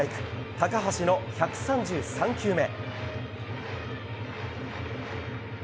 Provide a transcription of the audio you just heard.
高橋の１３３球目。